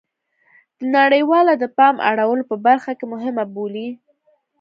د نړیواله د پام اړولو په برخه کې مهمه بولي